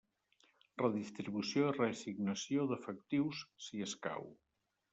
Redistribució i reassignació d'efectius, si escau.